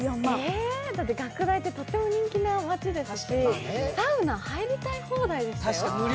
えーっ、だって学大ってとっても人気の街ですし、サウナ、入りたい放題でしたよ。